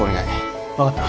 分かった。